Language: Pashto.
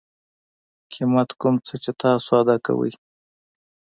قیمت کوم څه چې تاسو ادا کوئ